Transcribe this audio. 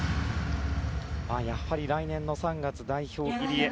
やはり来年の３月代表入りへ。